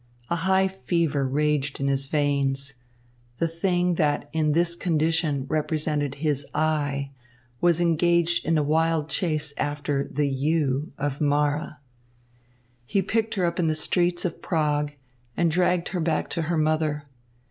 A high fever raged in his veins. The thing that in this condition represented his "I" was engaged in a wild chase after the "you" of Mara. He picked her up in the streets of Prague and dragged her back to her mother.